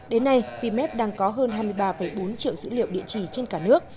đến nay vmep đang có hơn hai mươi ba bốn triệu dữ liệu địa chỉ trên cả nước